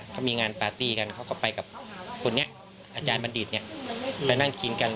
เขามีงานปาร์ตี้กันเขาก็ไปกับคนนี้อาจารย์บัณฑิตไปนั่งกินกัน